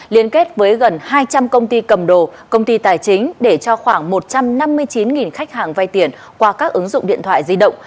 liên kết với gần hai trăm linh công ty cầm đồ công ty tài chính để cho khoảng một trăm năm mươi chín khách hàng vay tiền qua các ứng dụng điện thoại di động